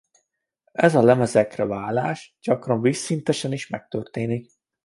Ez a lemezekre válás gyakran vízszintesen is megtörténik.